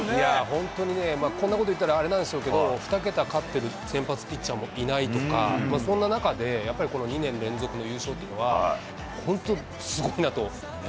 本当にね、こんなこと言ったらあれなんでしょうけど、２桁勝ってる先発ピッチャーもいないとか、そんな中で、やっぱりこの２年連続の優勝というのは、本当、すごいなと。